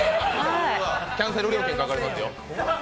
キャンセル料金、かかりますよ。